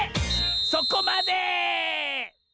そこまで！